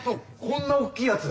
こんな大きいやつ。